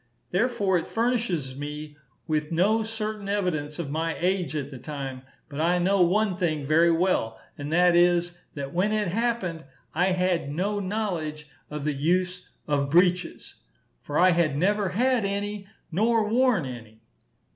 Therefore it furnishes me with no certain evidence of my age at the time; but I know one thing very well, and that is, that when it happened, I had no knowledge of the use of breeches, for I had never had any nor worn any.